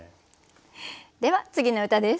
では次の歌です。